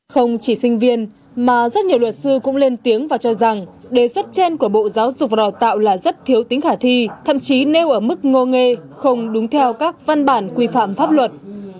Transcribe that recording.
không chỉ sinh viên mà rất nhiều luật sư cũng lên tiếng và cho rằng đề xuất trên của bộ giáo dục và đào tạo là rất thiếu tính khả thi thậm chí nêu ở mức ngô nghe không đúng theo các văn bản quy phạm pháp luật